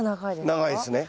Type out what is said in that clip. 長いですね。